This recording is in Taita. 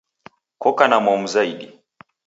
Koka na momu zaidi